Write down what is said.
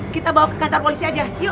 kita bawa ke kantor polisi aja yuk